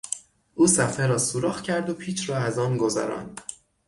او صفحه را سوراخ کرد و پیچ را از آن گذراند.